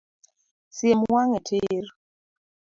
Siem wang’e tir